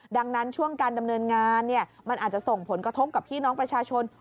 ดังนั้นช่วงการดำเนินงานมันอาจจะส่งผลกระทบกับพี่น้องประชาชน